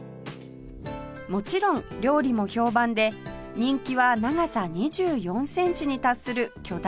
もちろん料理も評判で人気は長さ２４センチに達する巨大な海老天